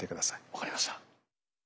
分かりました。